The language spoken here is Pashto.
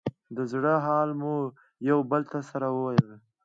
د زړه حال به مو يو بل ته سره ويل.